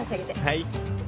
はい。